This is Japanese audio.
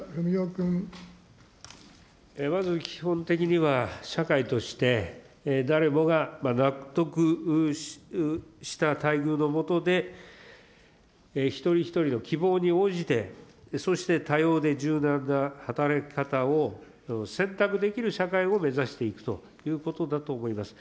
まず基本的には、社会として、誰もが納得した待遇の下で、一人一人の希望に応じて、そして多様で柔軟な働き方を選択できる社会を目指していくということだと思います。